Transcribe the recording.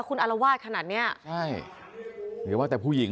คุณอารวาสขนาดเนี้ยใช่หรือว่าแต่ผู้หญิง